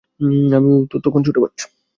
আমিও তো ছোট বাচ্চা।